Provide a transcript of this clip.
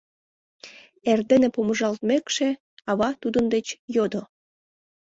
Эрдене помыжалтмекше, ава тудын деч йодо: